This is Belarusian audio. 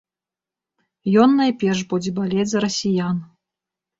Ён найперш будзе балець за расіян.